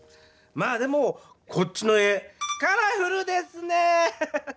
まあでもこっちの家カラフルですねぇヘヘヘ！